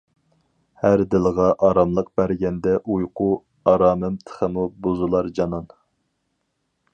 ھەر دىلغا ئاراملىق بەرگەندە ئۇيقۇ، ئارامىم تېخىمۇ بۇزۇلار جانان.